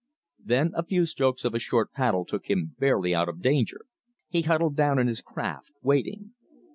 Then a few strokes of a short paddle took him barely out of danger. He huddled down in his craft, waiting.